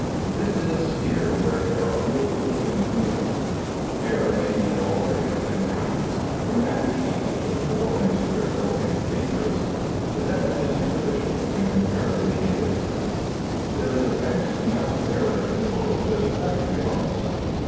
This is a sphere where there are wheels within wheels. Error may be of all grades and kinds, from that which eats into the core and is critical and dangerous, to that which is superficial and comparatively indifferent. There is a vast amount of error in the world that is practically harmless.